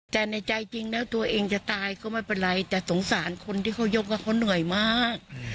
แต่ในใจจริงแล้วตัวเองจะตายก็ไม่เป็นไรแต่สงสารคนที่เขายกว่าเขาเหนื่อยมาก